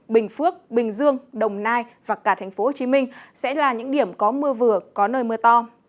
bình phước bình dương đồng nai và cả thành phố hồ chí minh sẽ là những điểm có mưa vừa có nơi mưa to